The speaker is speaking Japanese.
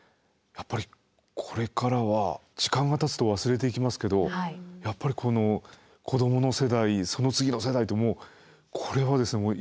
やっぱりこれからは時間がたつと忘れていきますけどやっぱり子どもの世代その次の世代ともうこれはですね